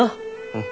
うん。